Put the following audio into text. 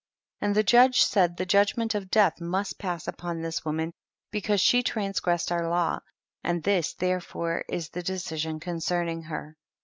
41. And the judge said the judg ment of death 7nust pass upon this woman because she transgressed our law, and this therefore is the deci sion concerning her.